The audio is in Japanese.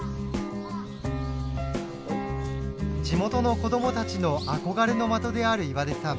地元の子供たちの憧れの的である岩出さん。